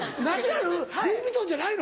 ルイ・ヴィトンじゃないの？